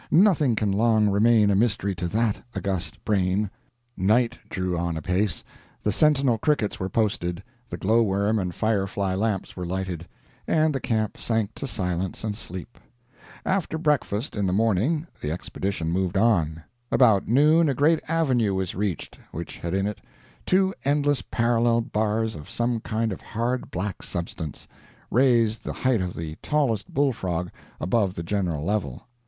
nothing can long remain a mystery to that august brain." Night drew on apace, the sentinel crickets were posted, the Glow Worm and Fire Fly lamps were lighted, and the camp sank to silence and sleep. After breakfast in the morning, the expedition moved on. About noon a great avenue was reached, which had in it two endless parallel bars of some kind of hard black substance, raised the height of the tallest Bull Frog above the general level.